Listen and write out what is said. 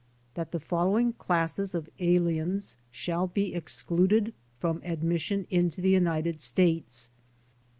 That the following classes of aliens shall be ex cluded from admission into the United States